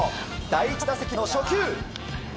第１打席の初球。